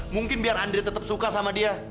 mungkin biar andre tetap suka sama dia